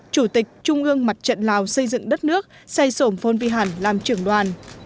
chủ tịch trung ương mặt trận lào xây dựng đất nước saigon phon vihan làm trưởng đoàn